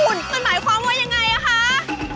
มันหมายความว่ายังไงครับ